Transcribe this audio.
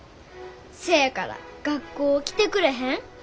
せやから学校来てくれへん？